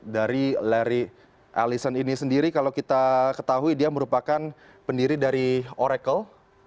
dari larry ellison ini sendiri kalau kita ketahui dia merupakan pendiri dari oracle